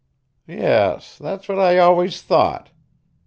Yes, that's what I always thought.